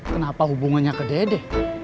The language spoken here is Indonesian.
kenapa hubungannya ke dede